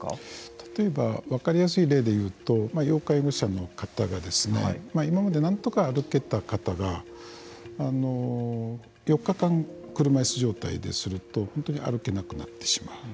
例えば、分かりやすい例で言うと要介護者の方が今まで、なんとか歩けた方が４日間車いす状態ですると本当に歩けなくなってしまう。